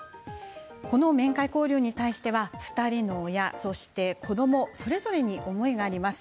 この面会交流に対しては２人の親、そして子どもそれぞれに思いがあります。